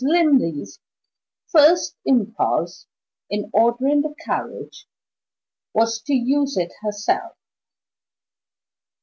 Linley's first impulse in ordering the carriage was to use it herself.